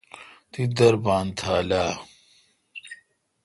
تی دربان تھال آ؟